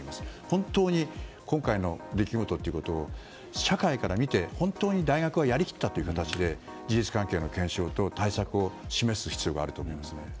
本当に今回の出来事ということを社会から見て本当に大学はやりきったという形で事実関係の検証と対策を示す必要があると思います。